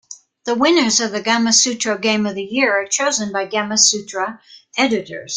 The winners of the Gamasutra Game of the Year are chosen by Gamasutra editors.